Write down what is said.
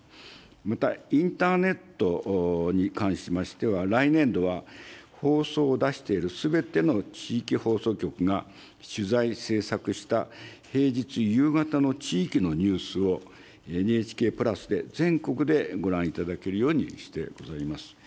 また、インターネットに関しましては、来年度は、放送を出しているすべての地域放送局が取材・制作した平日夕方の地域のニュースを、ＮＨＫプラスで全国でご覧いただけるようにしてございます。